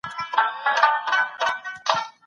د بدن لپاره مېوې د روغتیا یوه پوره خزانه ده.